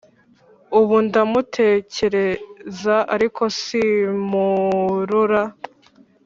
ubu ndamutekereza, ariko simmurora